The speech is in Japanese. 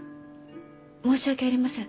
申し訳ありません。